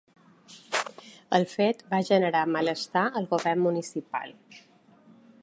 El fet va generar malestar al govern municipal.